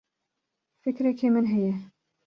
Fikreke min heye.